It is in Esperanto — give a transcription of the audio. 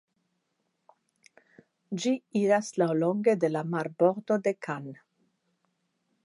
Ĝi iras laŭlonge de la marbordo de Cannes.